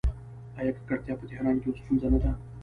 آیا ککړتیا په تهران کې یوه ستونزه نه ده؟